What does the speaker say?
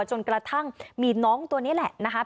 จนกระทั่งมีน้องตัวนี้แหละนะครับ